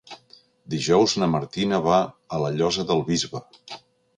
Dijous na Martina va a la Llosa del Bisbe.